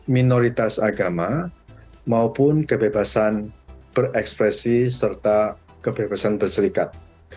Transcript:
minoritas agama maupun kebebasan berekspresi serta kebebasan berserikat